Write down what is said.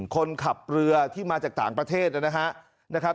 คนขับเรือที่มาจากต่างประเทศนะครับ